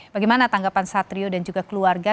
bagaimana tanggapan satrio dan juga keluarga